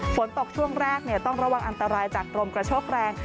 ฝนตกช่วงแรกต้องระวังอันตรายจากลมกระโชกแรง